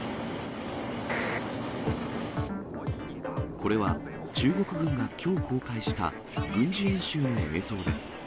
これは中国軍がきょう公開した軍事演習の映像です。